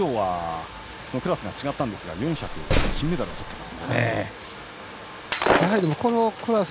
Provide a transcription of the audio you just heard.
リオはクラスが違ったんですが４００ｍで金メダルをとっています。